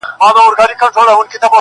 د اوبو په څېر بهېږي درېغه درېغه